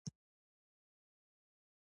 ځواب یې نه و زده.